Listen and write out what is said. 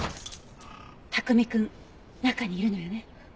卓海くん中にいるのよね？